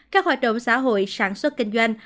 các hoạt động xã hội sản xuất kinh doanh